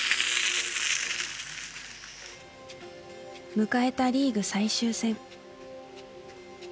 迎えたリーグ最終戦。